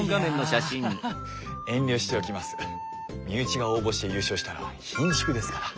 身内が応募して優勝したらひんしゅくですから。